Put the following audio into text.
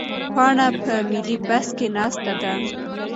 پاڼه په ملي بس کې ناسته ده.